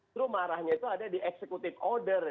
terus marahnya itu ada di executive order